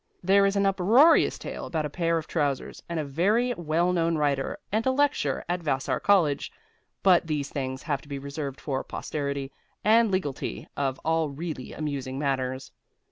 There is an uproarious tale about a pair of trousers and a very well known writer and a lecture at Vassar College, but these things have to be reserved for posterity, the legatee of all really amusing matters.